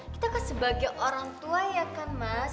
kita kan sebagai orang tua ya kan mas